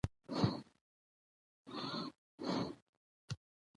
هره ګړۍ مې د کال په څېر تېره کړې ده.